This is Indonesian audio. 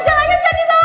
majalahnya jangan dibawa